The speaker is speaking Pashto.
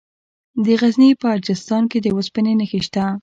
د غزني په اجرستان کې د اوسپنې نښې شته.